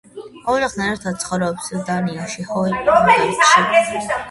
ოჯახთან ერთდ ცხოვრობს დანიაში, კოპენჰაგენში.